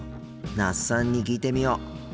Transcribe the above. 那須さんに聞いてみよう。